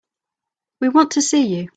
We want to see you.